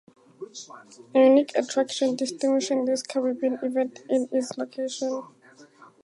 A unique attraction distinguishing this Caribbean event is its location.